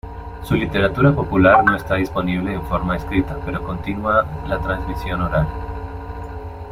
Su literatura popular no está disponible en forma escrita, pero continua la transmisión oral.